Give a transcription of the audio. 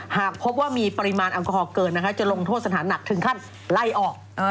หากพบว่ามีปริมาณแอลกอฮอลเกินนะคะจะลงโทษสถานหนักถึงขั้นไล่ออก